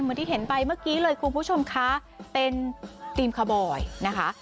เหมือนที่เห็นไปเมื่อกี้เลยคุณผู้ชมคะเป็นธีมคาบอยนะคะ